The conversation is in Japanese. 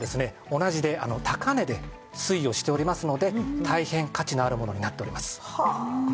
同じで高値で推移をしておりますので大変価値のあるものになっております。